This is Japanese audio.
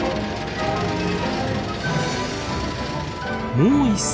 もう一隻。